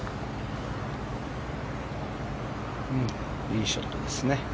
いいショットですね。